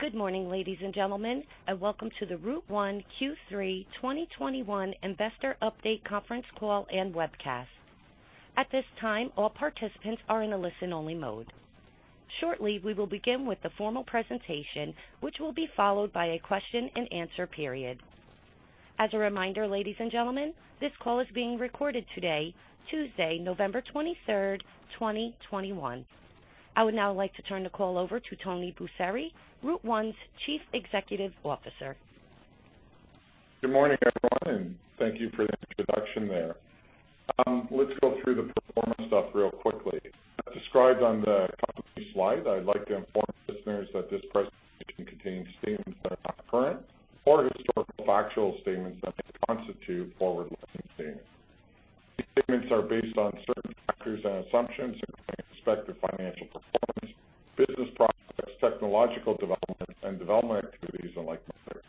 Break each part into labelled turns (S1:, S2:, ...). S1: Good morning, ladies and gentlemen, and welcome to the Route1 Q3 2021 Investor Update Conference Call and Webcast. At this time, all participants are in a listen-only mode. Shortly, we will begin with the formal presentation, which will be followed by a question-and-answer period. As a reminder, ladies and gentlemen, this call is being recorded today, Tuesday, November 23rd, 2021. I would now like to turn the call over to Tony Busseri, Route1 Chief Executive Officer.
S2: Good morning, everyone, and thank you for the introduction there. Let's go through the performance stuff real quickly. As described on the company slide, I'd like to inform listeners that this presentation contains statements that are not current or historical factual statements that may constitute forward-looking statements. These statements are based on certain factors and assumptions, including expected financial performance, business prospects, technological developments, and development activities and like matters.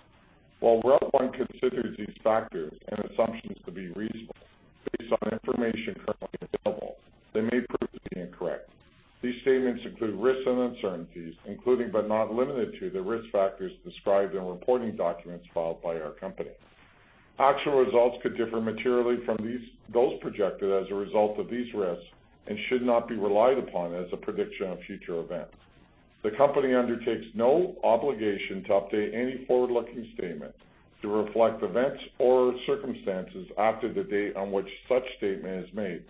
S2: While Route1 considers these factors and assumptions to be reasonable based on information currently available, they may prove to be incorrect. These statements include risks and uncertainties, including, but not limited to, the risk factors described in reporting documents filed by our company. Actual results could differ materially from those projected as a result of these risks and should not be relied upon as a prediction of future events. The company undertakes no obligation to update any forward-looking statement to reflect events or circumstances after the date on which such statement is made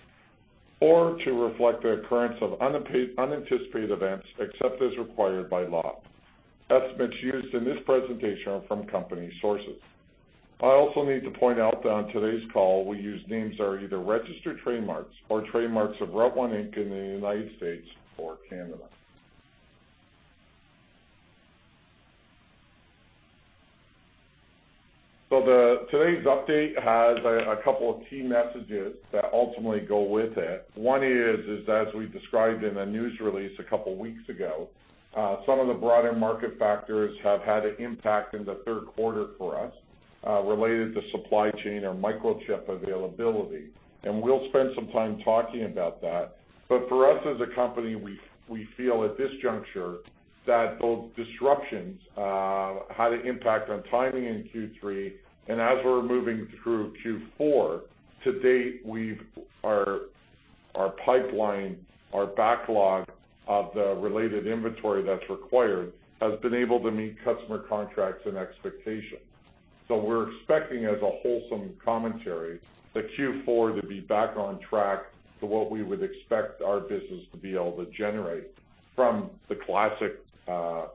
S2: or to reflect the occurrence of unanticipated events, except as required by law. Estimates used in this presentation are from company sources. I also need to point out that on today's call, we use names that are either registered trademarks or trademarks of Route1 Inc. in the United States or Canada. Today's update has a couple of key messages that ultimately go with it. One is, as we described in the news release a couple weeks ago, some of the broader market factors have had an impact in the third quarter for us, related to supply chain or microchip availability, and we'll spend some time talking about that. For us as a company, we feel at this juncture that those disruptions had an impact on timing in Q3, and as we're moving through Q4, to date, we've our pipeline, our backlog of the related inventory that's required has been able to meet customer contracts and expectations. We're expecting, as a wholesome commentary, that Q4 to be back on track to what we would expect our business to be able to generate from the classic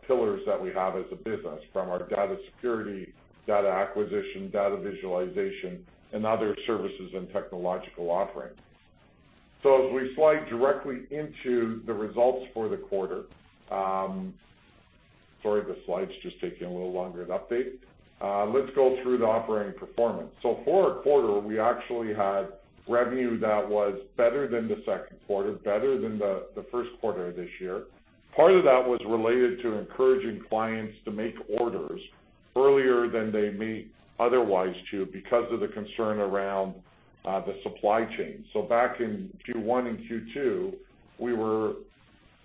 S2: pillars that we have as a business, from our data security, data acquisition, data visualization, and other services and technological offerings. As we slide directly into the results for the quarter, sorry, the slide's just taking a little longer to update. Let's go through the operating performance. For our quarter, we actually had revenue that was better than the second quarter, better than the first quarter of this year. Part of that was related to encouraging clients to make orders earlier than they may otherwise do because of the concern around the supply chain. Back in Q1 and Q2, we were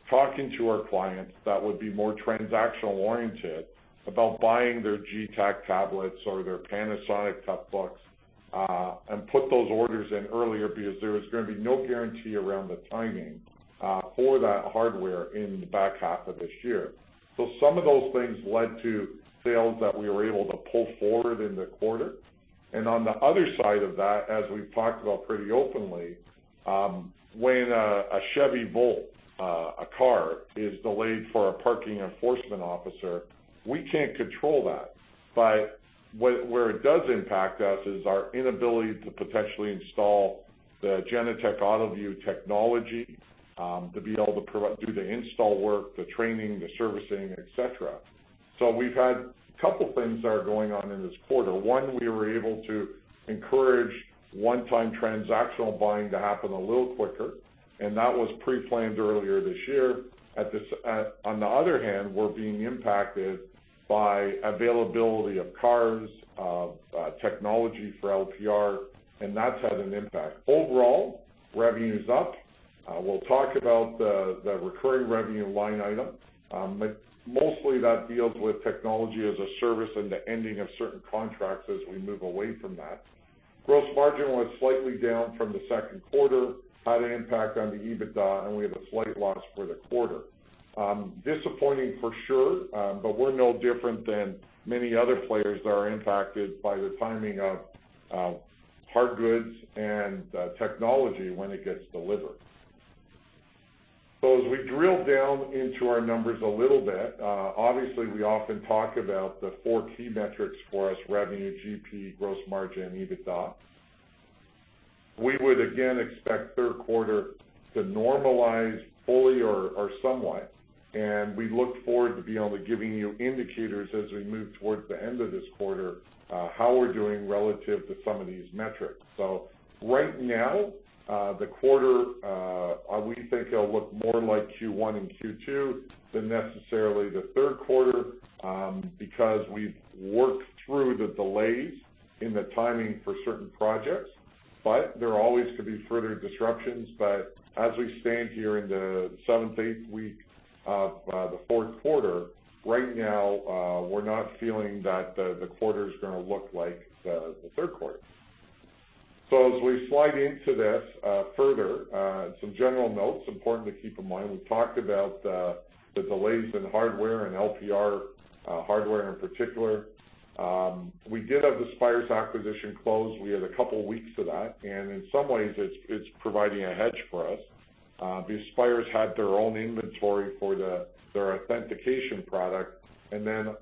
S2: talking to our clients that would be more transactional-oriented about buying their Getac tablets or their Panasonic Toughbooks, and put those orders in earlier because there was going to be no guarantee around the timing for that hardware in the back half of this year. Some of those things led to sales that we were able to pull forward in the quarter. On the other side of that, as we've talked about pretty openly, when a Chevy Volt, a car, is delayed for a parking enforcement officer, we can't control that. Where it does impact us is our inability to potentially install the Genetec AutoVu technology, to be able to do the install work, the training, the servicing, et cetera. We've had a couple things that are going on in this quarter. One, we were able to encourage one-time transactional buying to happen a little quicker, and that was pre-planned earlier this year. On the other hand, we're being impacted by availability of cars, technology for LPR, and that's had an impact. Overall, revenue's up. We'll talk about the recurring revenue line item. Mostly that deals with technology as a service and the ending of certain contracts as we move away from that. Gross margin was slightly down from the second quarter, had an impact on the EBITDA, and we have a slight loss for the quarter. Disappointing for sure, we're no different than many other players that are impacted by the timing of hard goods and technology when it gets delivered. As we drill down into our numbers a little bit, obviously, we often talk about the four key metrics for us, revenue, GP, gross margin, and EBITDA. We would again expect third quarter to normalize fully or somewhat, and we look forward to be able to giving you indicators as we move towards the end of this quarter, how we're doing relative to some of these metrics. Right now, the quarter, we think it'll look more like Q1 and Q2 than necessarily the third quarter, because we've worked through the delays in the timing for certain projects. There always could be further disruptions. As we stand here in the seventh, eighth week of the fourth quarter, right now, we're not feeling that the quarter's going to look like the third quarter. As we slide into this further, some general notes important to keep in mind. We've talked about the delays in hardware and LPR hardware in particular. We did have the Spyrus acquisition close. We had a couple weeks of that, and in some ways, it's providing a hedge for us. Because Spyrus had their own inventory for their authentication product, and then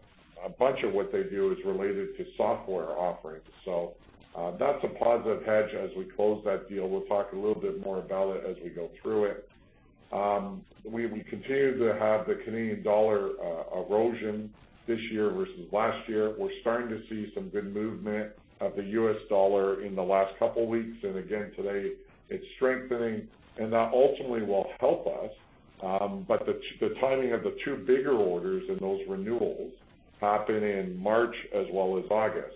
S2: a bunch of what they do is related to software offerings. That's a positive hedge as we close that deal. We'll talk a little bit more about it as we go through it. We continue to have the Canadian dollar erosion this year versus last year. We're starting to see some good movement of the US dollar in the last couple weeks, and again, today it's strengthening and that ultimately will help us. The timing of the two bigger orders and those renewals happen in March as well as August.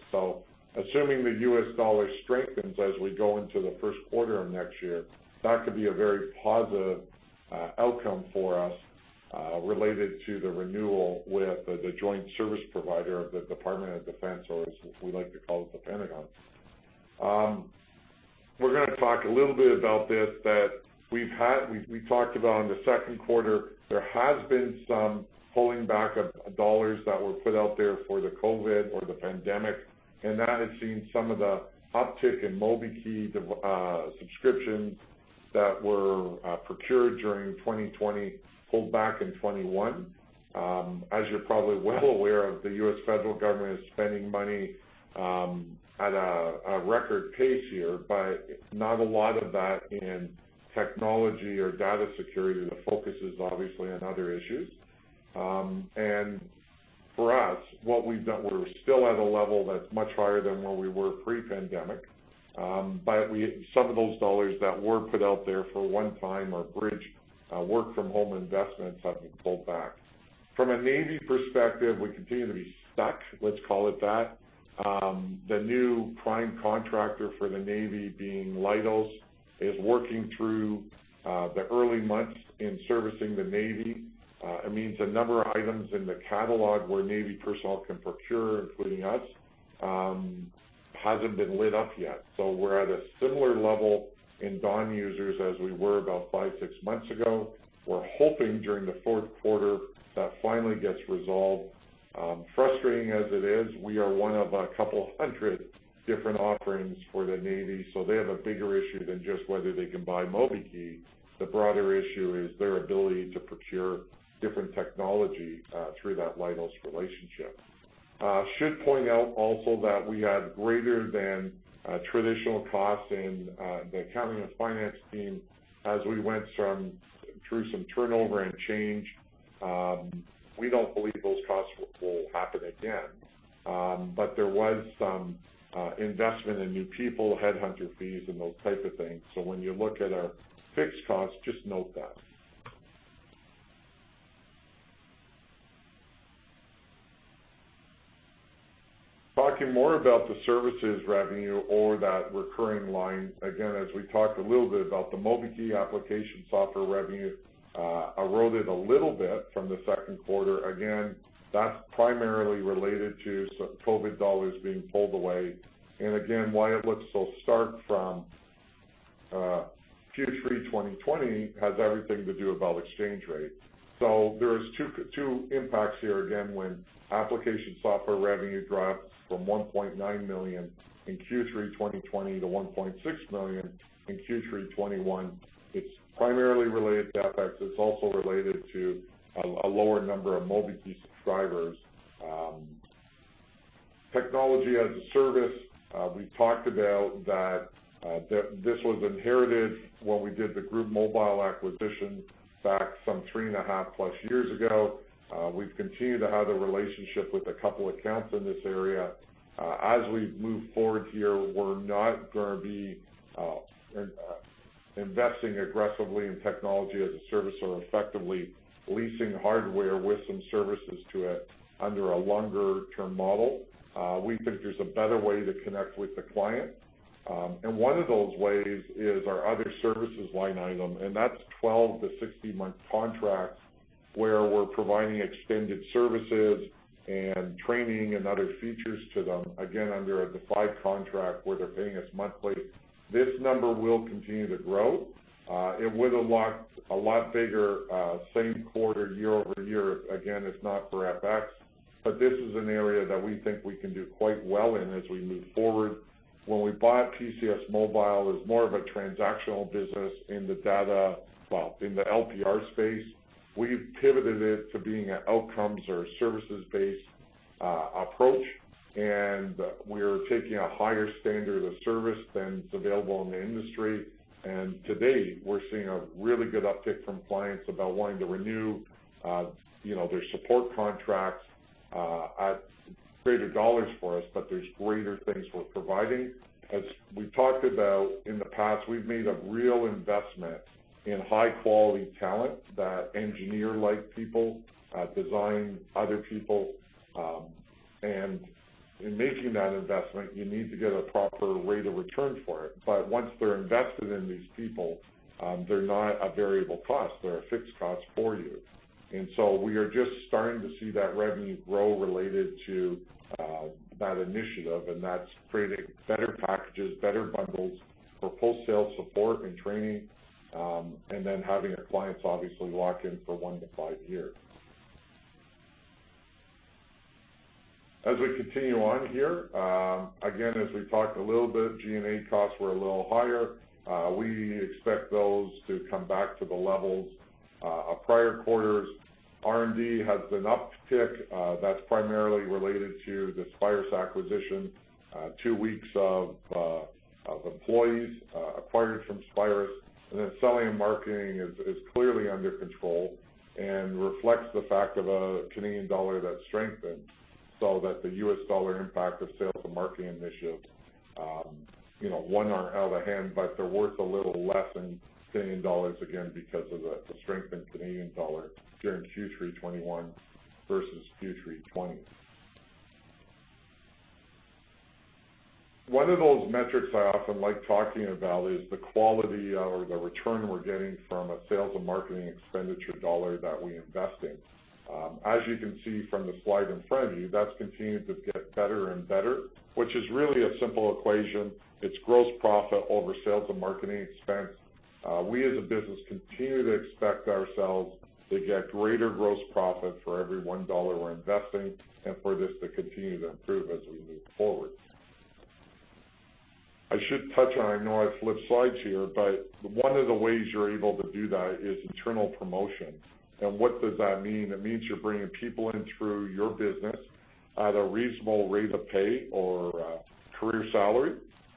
S2: Assuming the U.S. dollar strengthens as we go into the first quarter of next year, that could be a very positive outcome for us related to the renewal with the joint service provider of the Department of Defense, or as we like to call it, the Pentagon. We're going to talk a little bit about this that we talked about in the second quarter, there has been some pulling back of dollars that were put out there for the COVID or the pandemic, and that has seen some of the uptick in MobiKEY subscriptions that were procured during 2020 pulled back in 2021. As you're probably well aware of, the U.S. federal government is spending money at a record pace here, but not a lot of that in technology or data security. The focus is obviously on other issues. For us, what we've done, we're still at a level that's much higher than where we were pre-pandemic. Some of those dollars that were put out there for one-time or bridge work-from-home investments have been pulled back. From a Navy perspective, we continue to be stuck, let's call it that. The new prime contractor for the Navy being Leidos is working through the early months in servicing the Navy. It means a number of items in the catalog where Navy personnel can procure, including us, hasn't been lit up yet. We're at a similar level in DON users as we were about five, six months ago. We're hoping during the fourth quarter that finally gets resolved. Frustrating as it is, we are one of a couple hundred different offerings for the Navy, so they have a bigger issue than just whether they can buy MobiKEY. The broader issue is their ability to procure different technology through that Leidos relationship. Should point out also that we had greater than traditional costs in the accounting and finance team through some turnover and change. We don't believe those costs will happen again. There was some investment in new people, headhunter fees, and those type of things. When you look at our fixed costs, just note that. Talking more about the services revenue or that recurring line, again, as we talked a little bit about the MobiKEY application software revenue, eroded a little bit from the second quarter. Again, that's primarily related to some COVID dollars being pulled away. Again, why it looks so stark from Q3 2020 has everything to do with exchange rate. There's two impacts here again, when application software revenue drops from 1.9 million in Q3 2020 to 1.6 million in Q3 2021, it's primarily related to FX. It's also related to a lower number of MobiKEY subscribers. Technology as a service, we talked about that, this was inherited when we did the Group Mobile acquisition back some three and a half plus years ago. We've continued to have the relationship with a couple accounts in this area. As we move forward here, we're not going to be investing aggressively in technology as a service or effectively leasing hardware with some services to it under a longer-term model. We think there's a better way to connect with the client. One of those ways is our other services line item, that's 12-month to 60-month contracts where we're providing extended services and training and other features to them, again, under a defined contract where they're paying us monthly. This number will continue to grow, it would a lot bigger same quarter year-over-year. Again, if not for FX. This is an area that we think we can do quite well in as we move forward. When we bought PCS Mobile, it was more of a transactional business in the LPR space. We've pivoted it to being an outcomes or services-based approach, and we're taking a higher standard of service than is available in the industry. To date, we're seeing a really good uptick from clients about wanting to renew, you know, their support contracts at greater dollars for us, but there's greater things we're providing. As we've talked about in the past, we've made a real investment in high-quality talent that engineer-like people, designers, other people, and in making that investment, you need to get a proper rate of return for it. Once they're invested in these people, they're not a variable cost, they're a fixed cost for you. We are just starting to see that revenue grow related to that initiative, and that's creating better packages, better bundles for full sales support and training, and then having our clients obviously lock in for one to five years. As we continue on here, again, as we talked a little bit, G&A costs were a little higher. We expect those to come back to the levels of prior quarters. R&D has an uptick. That's primarily related to the Spyrus acquisition, two weeks of employees acquired from Spyrus. Selling and marketing is clearly under control and reflects the fact of a Canadian dollar that strengthened, so that the US dollar impact of sales and marketing initiatives, you know, won't run out of hand, but they're worth a little less in Canadian dollars, again, because of the strengthened Canadian dollar during Q3 2021 versus Q3 2020. One of those metrics I often like talking about is the quality or the return we're getting from a sales and marketing expenditure dollar that we invest in. As you can see from the slide in front of you, that's continuing to get better and better, which is really a simple equation. It's gross profit over sales and marketing expense. We as a business continue to expect ourselves to get greater gross profit for every one dollar we're investing and for this to continue to improve as we move forward. I should touch on. I know I flipped slides here, but one of the ways you're able to do that is internal promotion. What does that mean? It means you're bringing people in through your business at a reasonable rate of pay or career salary.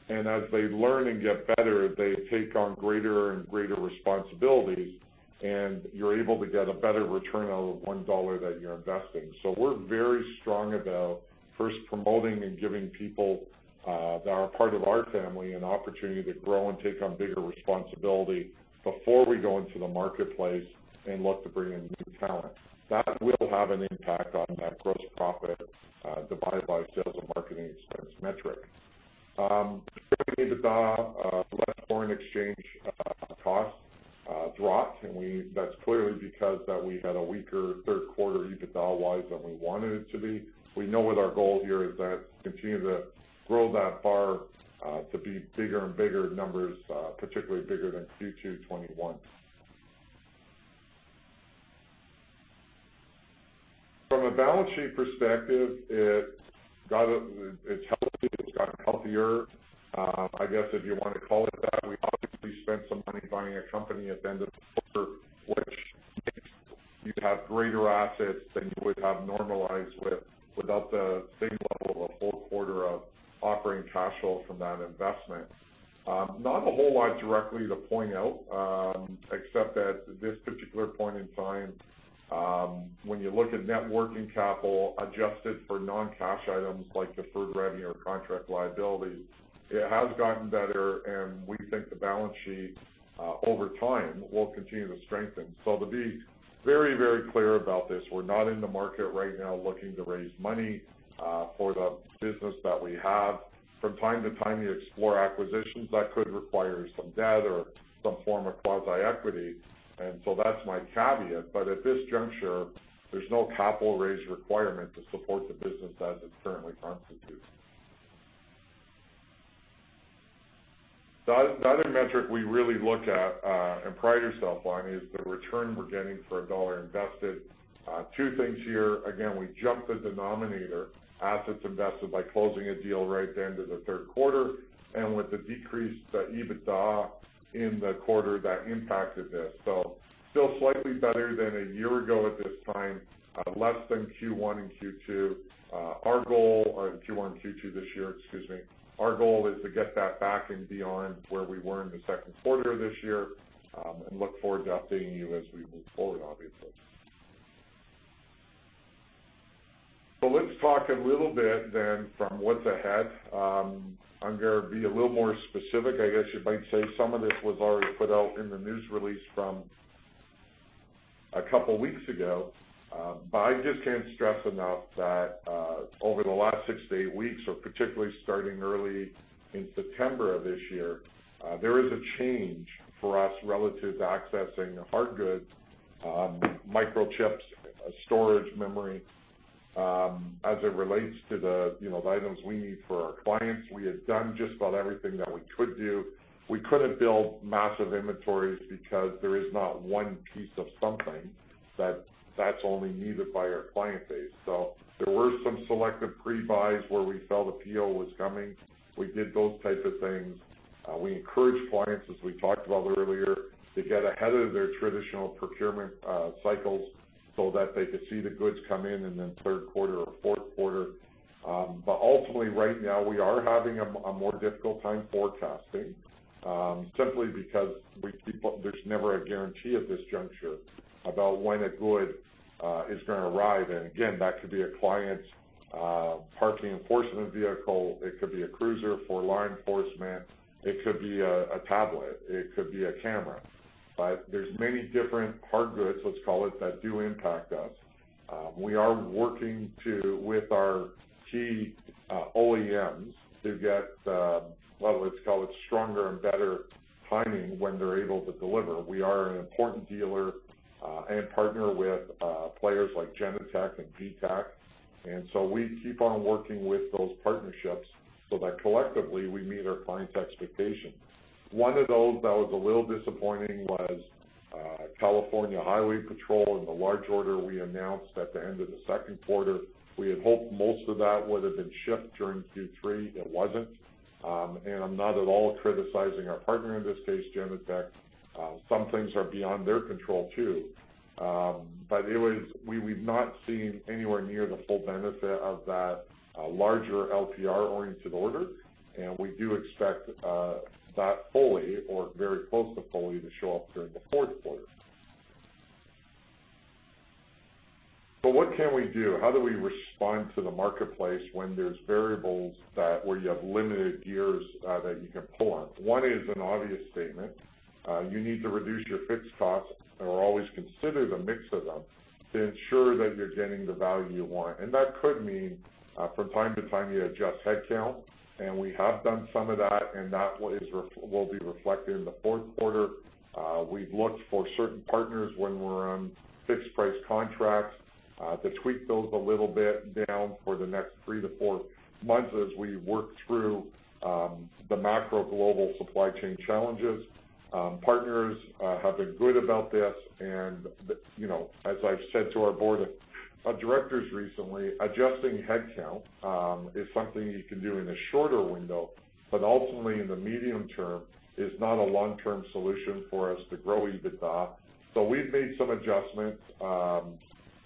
S2: As they learn and get better, they take on greater and greater responsibility, and you're able to get a better return out of one dollar that you're investing. We're very strong about first promoting and giving people that are part of our family an opportunity to grow and take on bigger responsibility before we go into the marketplace and look to bring in new talent. That will have an impact on that gross profit divided by sales and marketing expense metric. EBITDA less foreign exchange costs dropped, and that's clearly because we had a weaker third quarter EBITDA-wise than we wanted it to be. We know what our goal here is to continue to grow that bar to be bigger and bigger numbers, particularly bigger than Q2 2021. From a balance sheet perspective, it's healthy, it's gotten healthier. I guess if you want to call it that, we obviously spent some money buying a company at the end of the quarter, which makes you have greater assets than you would have normalized without the same level of a full quarter of operating cash flow from that investment. Not a whole lot directly to point out, except at this particular point in time, when you look at net working capital adjusted for non-cash items like deferred revenue or contract liability, it has gotten better, and we think the balance sheet, over time will continue to strengthen. To be very, very clear about this, we're not in the market right now looking to raise money, for the business that we have. From time to time, we explore acquisitions that could require some debt or some form of quasi-equity. That's my caveat. At this juncture, there's no capital raise requirement to support the business as it's currently constituted. The other metric we really look at and pride ourselves on is the return we're getting for a dollar invested. Two things here. Again, we jumped the denominator assets invested by closing a deal right at the end of the third quarter, and with the decreased EBITDA in the quarter that impacted this. Still slightly better than a year ago at this time, less than Q1 and Q2. Our goal is to get that back and beyond where we were in the second quarter of this year, and look forward to updating you as we move forward, obviously. Let's talk a little bit then from what's ahead. I'm going to be a little more specific, I guess you might say. Some of this was already put out in the news release from a couple weeks ago. I just can't stress enough that, over the last six to eight weeks, or particularly starting early in September of this year, there is a change for us relative to accessing hard goods, microchips, storage, memory, as it relates to the, you know, the items we need for our clients. We had done just about everything that we could do. We couldn't build massive inventories because there is not one piece of something that's only needed by our client base. There were some selective pre-buys where we felt the PO was coming. We did those type of things. We encouraged clients, as we talked about earlier, to get ahead of their traditional procurement cycles so that they could see the goods come in in the third quarter or fourth quarter. Ultimately right now, we are having a more difficult time forecasting simply because there's never a guarantee at this juncture about when a good is going to arrive. Again, that could be a client's parking enforcement vehicle. It could be a cruiser for law enforcement. It could be a tablet. It could be a camera. But there's many different hard goods, let's call it, that do impact us. We are working with our key OEMs to get well, let's call it stronger and better timing when they're able to deliver. We are an important dealer and partner with players like Genetec and Getac. We keep on working with those partnerships so that collectively we meet our clients' expectations. One of those that was a little disappointing was California Highway Patrol and the large order we announced at the end of the second quarter. We had hoped most of that would have been shipped during Q3. It wasn't. I'm not at all criticizing our partner in this case, Genetec. Some things are beyond their control, too. We've not seen anywhere near the full benefit of that larger LPR-oriented order. We do expect that fully or very close to fully to show up during the fourth quarter. What can we do? How do we respond to the marketplace when there's variables that where you have limited gears that you can pull on? One is an obvious statement. You need to reduce your fixed costs, or always consider the mix of them, to ensure that you're getting the value you want. That could mean, from time to time you adjust headcount. We have done some of that, and that will be reflected in the fourth quarter. We've looked for certain partners when we're on fixed price contracts, to tweak those a little bit down for the next three to four months as we work through the macro global supply chain challenges. Partners have been good about this. You know, as I've said to our board of directors recently, adjusting headcount is something you can do in a shorter window, but ultimately in the medium term is not a long-term solution for us to grow EBITDA. We've made some adjustments,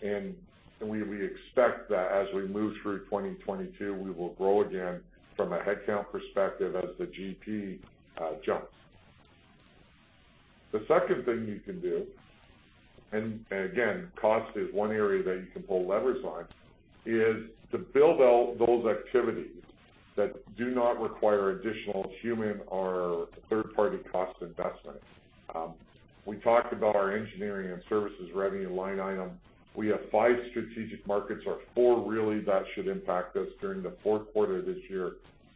S2: and we expect that as we move through 2022, we will grow again from a headcount perspective as the GP jumps. The second thing you can do, and again, cost is one area that you can pull levers on, is to build out those activities that do not require additional human or third-party cost investment. We talked about our engineering and services revenue line item. We have five strategic markets, or four really, that should impact us during the fourth quarter this year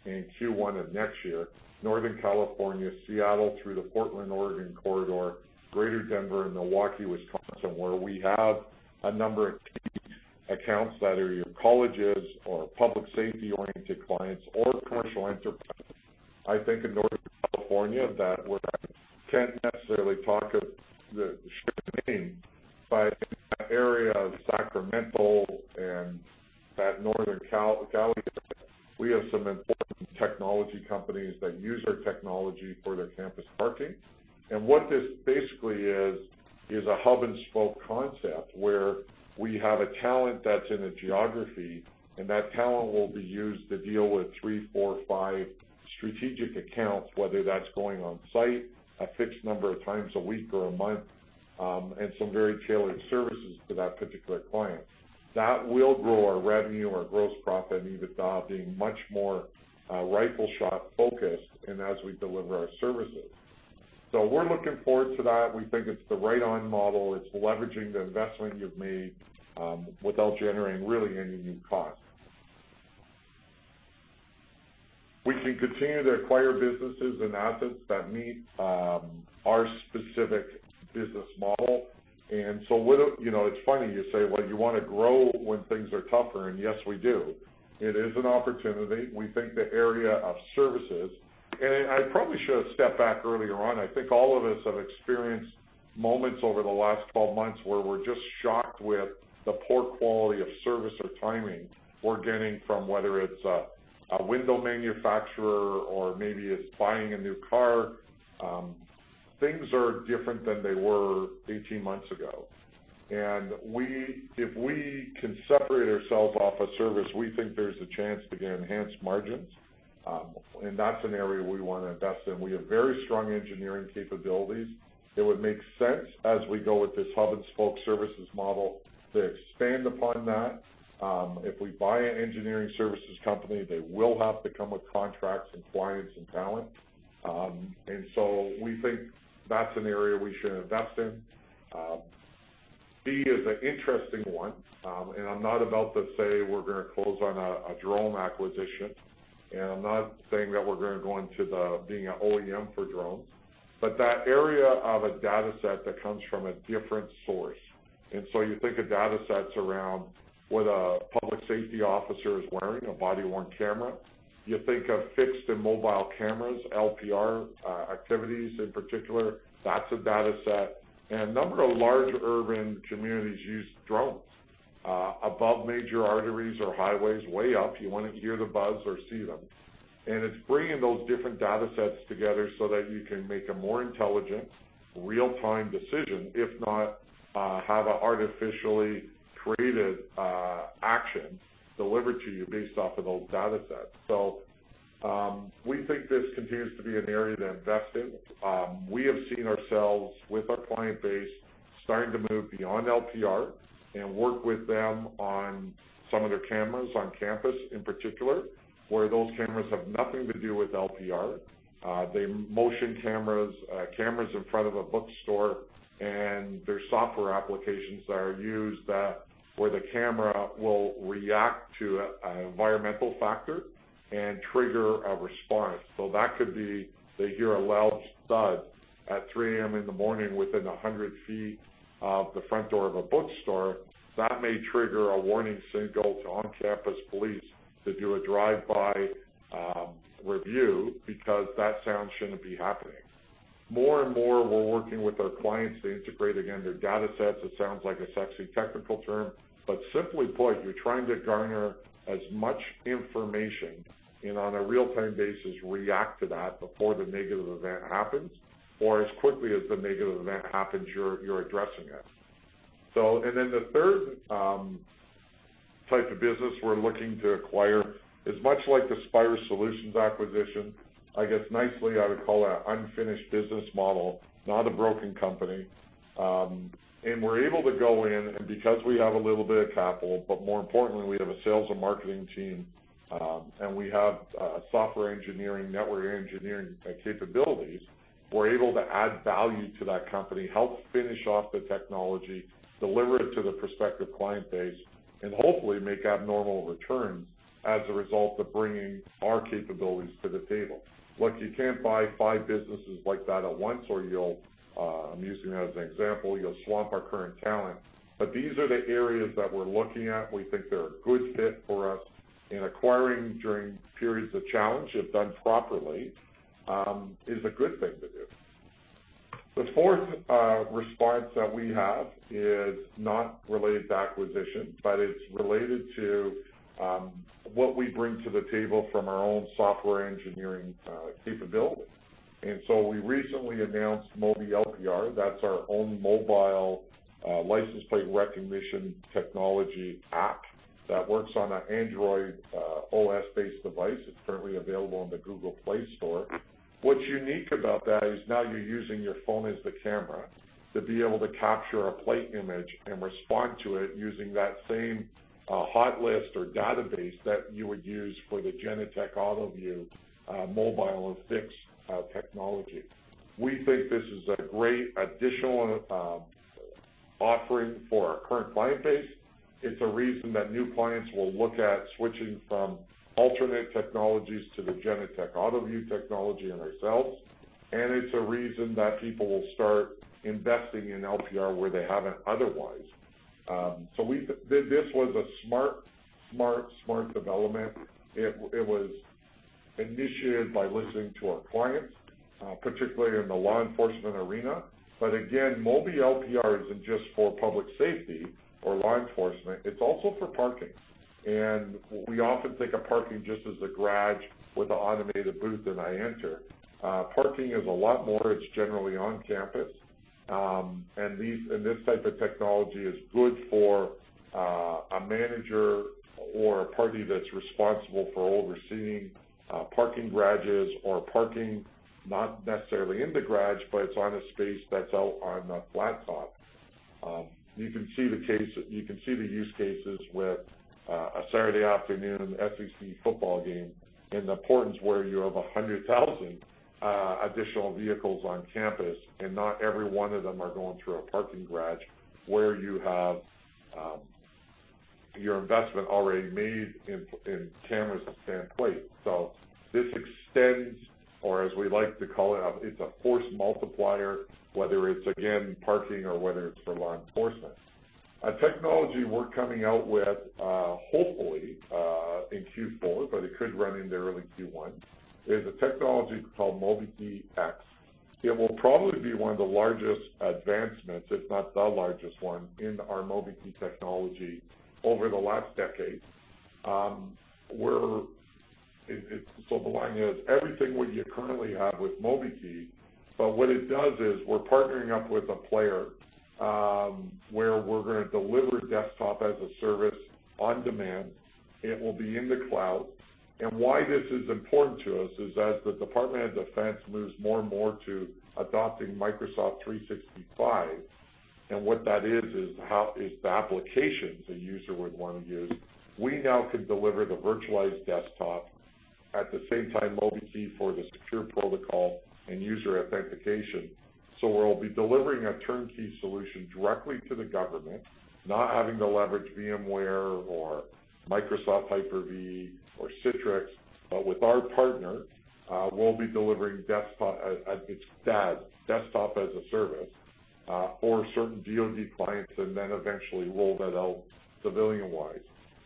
S2: and Q1 of next year. Northern California, Seattle through the Portland, Oregon corridor, Greater Denver, and Milwaukee, Wisconsin, where we have a number of key accounts that are your colleges or public safety-oriented clients or commercial enterprises. I think in Northern California that's where I can't necessarily talk of the shared name, but in that area of Sacramento and that Northern Cali area, we have some important technology companies that use our technology for their campus parking. What this basically is a hub-and-spoke concept where we have a talent that's in a geography, and that talent will be used to deal with three, four, five strategic accounts, whether that's going on site a fixed number of times a week or a month, and some very tailored services to that particular client. That will grow our revenue, our gross profit, and EBITDA being much more rifle shot focused in as we deliver our services. We're looking forward to that. We think it's the right-on model. It's leveraging the investment you've made, without generating really any new cost. We can continue to acquire businesses and assets that meet our specific business model. You know, it's funny you say, "Well, you want to grow when things are tougher." Yes, we do. It is an opportunity. We think the area of services. I probably should have stepped back earlier on. I think all of us have experienced moments over the last 12 months where we're just shocked with the poor quality of service or timing we're getting from whether it's a window manufacturer or maybe it's buying a new car. Things are different than they were 18 months ago. If we can separate ourselves off of service, we think there's a chance to get enhanced margins. That's an area we want to invest in. We have very strong engineering capabilities. It would make sense as we go with this hub-and-spoke services model to expand upon that. If we buy an engineering services company, they will have to come with contracts and clients and talent. We think that's an area we should invest in. B is an interesting one. I'm not about to say we're going to close on a drone acquisition. I'm not saying that we're going to go into the being an OEM for drones, but that area of a data set that comes from a different source. You think of data sets around what a public safety officer is wearing, a body-worn camera. You think of fixed and mobile cameras, LPR activities in particular. That's a data set. A number of large urban communities use drones above major arteries or highways way up. You wouldn't hear the buzz or see them. It's bringing those different data sets together so that you can make a more intelligent real-time decision, if not have an artificially created action delivered to you based off of those data sets. We think this continues to be an area to invest in. We have seen ourselves with our client base starting to move beyond LPR and work with them on some of their cameras on campus in particular, where those cameras have nothing to do with LPR. They motion cameras in front of a bookstore, and there's software applications that are used where the camera will react to environmental factors and trigger a response. That could be they hear a loud thud at 3 A.M. in the morning within 100 ft of the front door of a bookstore. That may trigger a warning signal to on-campus police to do a drive-by review because that sound shouldn't be happening. More and more, we're working with our clients to integrate, again, their data sets. It sounds like a sexy technical term, but simply put, you're trying to garner as much information and on a real-time basis react to that before the negative event happens, or as quickly as the negative event happens, you're addressing it. Then the third type of business we're looking to acquire is much like the Spyrus Solutions acquisition. I guess nicely, I would call that unfinished business model, not a broken company. We're able to go in, and because we have a little bit of capital, but more importantly, we have a sales and marketing team, and we have software engineering, network engineering capabilities, we're able to add value to that company, help finish off the technology, deliver it to the prospective client base, and hopefully make abnormal returns as a result of bringing our capabilities to the table. Look, you can't buy five businesses like that at once or you'll, I'm using that as an example, you'll swamp our current talent. But these are the areas that we're looking at. We think they're a good fit for us. Acquiring during periods of challenge, if done properly, is a good thing to do. The fourth response that we have is not related to acquisition, but it's related to what we bring to the table from our own software engineering capability. We recently announced MobiLPR. That's our own mobile license plate recognition technology app that works on an Android OS-based device. It's currently available on the Google Play Store. What's unique about that is now you're using your phone as the camera to be able to capture a plate image and respond to it using that same hotlist or database that you would use for the Genetec AutoVu mobile and fixed technology. We think this is a great additional offering for our current client base. It's a reason that new clients will look at switching from alternate technologies to the Genetec AutoVu technology and ourselves, and it's a reason that people will start investing in LPR where they haven't otherwise. This was a smart development. It was initiated by listening to our clients, particularly in the law enforcement arena. Again, MobiLPR isn't just for public safety or law enforcement, it's also for parking. We often think of parking just as a garage with an automated booth that I enter. Parking is a lot more. It's generally on campus. This type of technology is good for a manager or a party that's responsible for overseeing parking garages or parking not necessarily in the garage, but it's on a space that's out on a flat top. You can see the use cases with a Saturday afternoon SEC football game in the portions where you have 100,000 additional vehicles on campus, and not every one of them are going through a parking garage where you have your investment already made in cameras and plate. This extends, or as we like to call it's a force multiplier, whether it's, again, parking or whether it's for law enforcement. A technology we're coming out with, hopefully, in Q4, but it could run into early Q1, is a technology called MobiKEY X. It will probably be one of the largest advancements, if not the largest one, in our MobiKEY technology over the last decade. We're... The line is everything what you currently have with MobiKEY, but what it does is we're partnering up with a player, where we're going to deliver desktop as a service on demand. It will be in the cloud. Why this is important to us is as the Department of Defense moves more and more to adopting Microsoft 365, and what that is the applications a user would want to use, we now can deliver the virtualized desktop at the same time MobiKEY for the secure protocol and user authentication. We'll be delivering a turnkey solution directly to the government, not having to leverage VMware or Microsoft Hyper-V or Citrix. With our partner, we'll be delivering desktop as it's DaaS, Desktop as a Service, for certain DoD clients, and then eventually roll that out civilian-wise.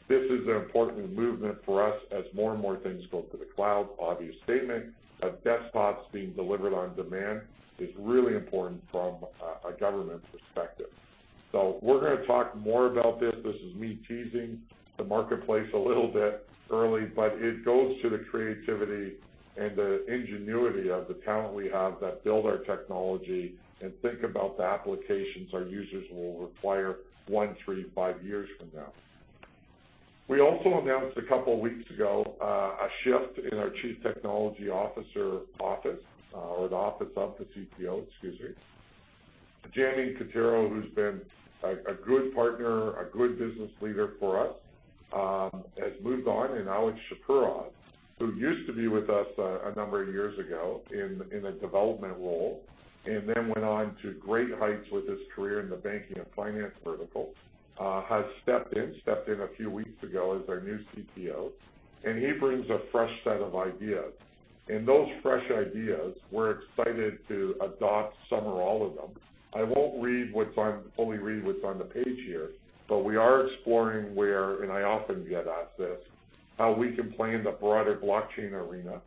S2: This is an important movement for us as more and more things go to the cloud. Obvious statement. Desktops being delivered on demand is really important from a government perspective. We're going to talk more about this. This is me teasing the marketplace a little bit early, but it goes to the creativity and the ingenuity of the talent we have that build our technology and think about the applications our users will require one, three, five years from now. We also announced a couple weeks ago a shift in our Chief Technology Officer office or the office of the CTO, excuse me. Jamie Cotter, who's been a good partner, a good business leader for us, has moved on. Alex Shpuro, who used to be with us a number of years ago in a development role, and then went on to great heights with his career in the banking and finance vertical, has stepped in a few weeks ago as our new CTO, and he brings a fresh set of ideas. Those fresh ideas, we're excited to adopt some or all of them. I won't fully read what's on the page here, but we are exploring where, and I often get asked this. How we can play in the broader blockchain arena.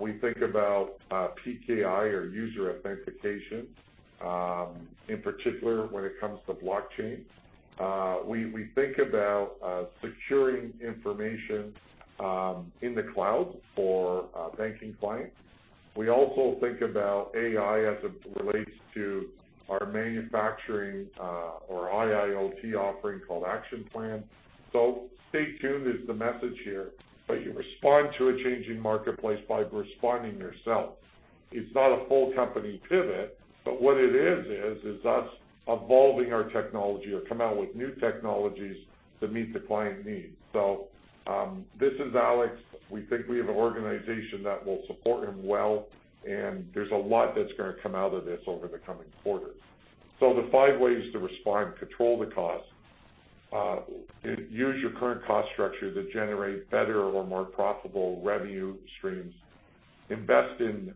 S2: We think about PKI or user authentication in particular when it comes to blockchain. We think about securing information in the cloud for banking clients. We also think about AI as it relates to our manufacturing, or IIoT offering called ActionPLAN. Stay tuned is the message here. You respond to a changing marketplace by responding yourself. It's not a full company pivot, but what it is is us evolving our technology or come out with new technologies to meet the client needs. This is ours. We think we have an organization that will support him well, and there's a lot that's going to come out of this over the coming quarters. The five ways to respond: control the cost, use your current cost structure to generate better or more profitable revenue streams, invest in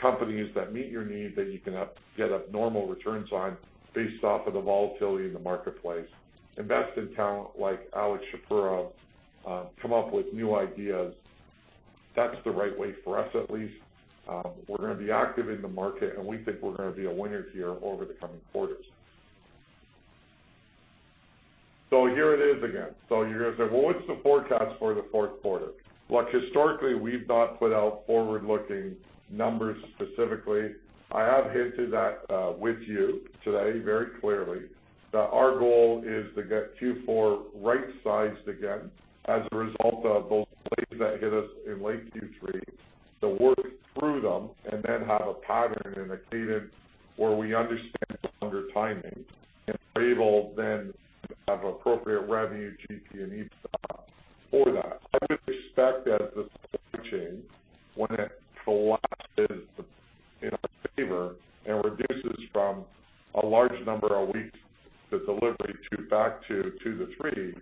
S2: companies that meet your needs that you can get abnormal returns on based off of the volatility in the marketplace. Invest in talent like Alex Shpurov, come up with new ideas. That's the right way for us at least. We're going to be active in the market, and we think we're going to be a winner here over the coming quarters. Here it is again. You're going to say, "Well, what's the forecast for the fourth quarter?" Look, historically, we've not put out forward-looking numbers specifically. I have hinted that with you today very clearly that our goal is to get Q4 right-sized again as a result of those delays that hit us in late Q3, to work through them and then have a pattern and a cadence where we understand the longer timing and are able then to have appropriate revenue, GP, and EBITDA for that. I would expect that the supply chain, when it collapses in our favor and reduces from a large number of weeks to delivery back to two to three,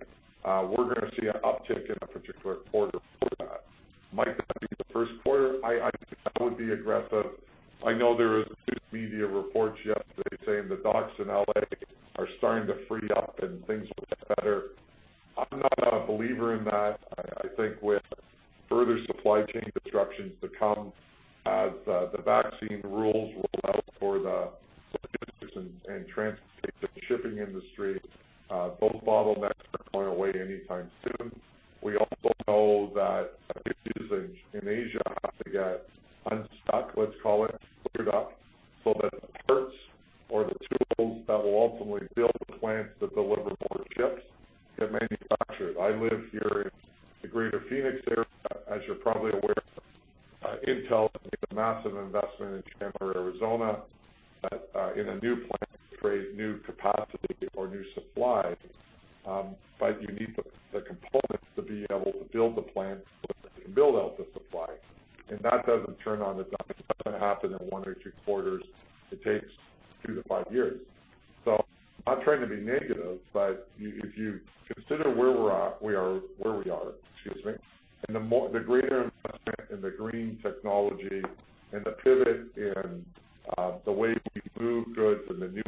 S2: in one or two quarters. It takes two to five years. I'm not trying to be negative, but if you consider where we are, excuse me, and the greater investment in the green technology and the pivot in the way we move goods in the new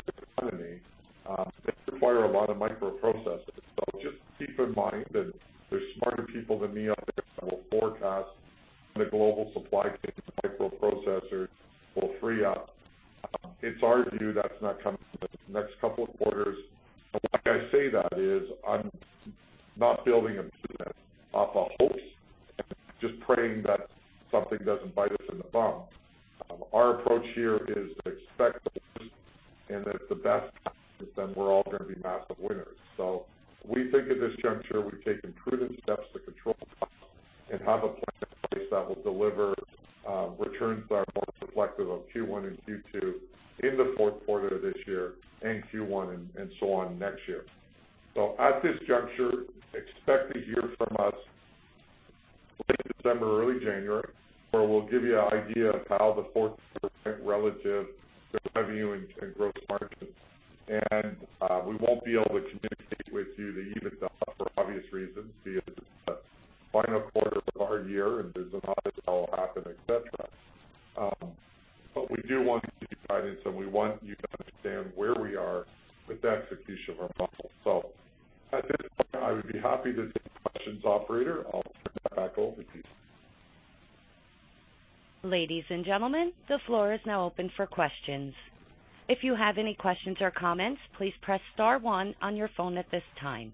S1: If you have any questions or comments, please press star one on your phone at this time.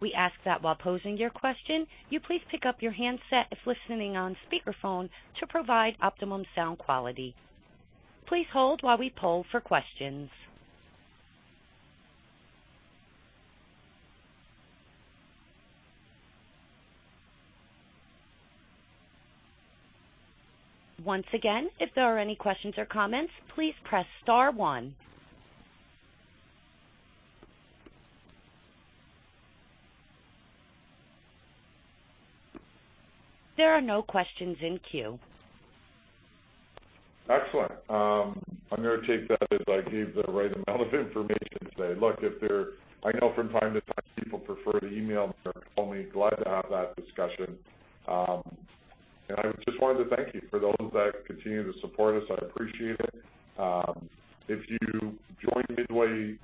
S1: We ask that while posing your question, you please pick up your handset if listening on speakerphone to provide optimum sound quality. Please hold while we poll for questions. Once again, if there are any questions or comments, please press star one. There are no questions in queue.
S2: Excellent. I'm going to take that as I gave the right amount of information today. Look, I know from time to time, people prefer to email me or call me. Glad to have that discussion. I just wanted to thank you for those that continue to support us. I appreciate it. If you joined midway